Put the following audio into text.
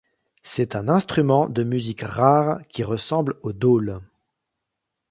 C'est un instrument de musique rare qui ressemble au dhôl.